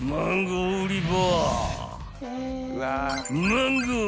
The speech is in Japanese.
［マンゴー！